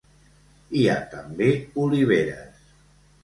Hi ha també oliveres.